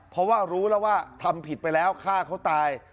เพราะว่ารู้แล้วว่าทำผิดไปแล้วฆ่าเขาตาย